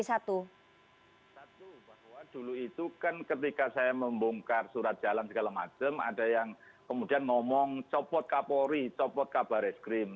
satu bahwa dulu itu kan ketika saya membongkar surat jalan segala macam ada yang kemudian ngomong copot kapolri copot kabar eskrim